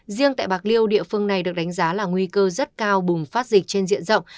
riêng tại bạc liêu địa phương này được đánh giá là nguy cơ rất cao bùng phát dịch trên diện rộng